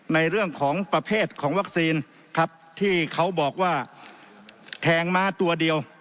ในเรื่องของประเภทของวัคซีนครับที่เขาบอกว่าแทงม้าตัวเดียว